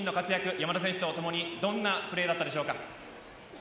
山田選手とともにどんなプレーだったでしょうか？